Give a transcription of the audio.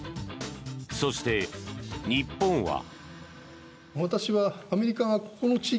そして、日本は。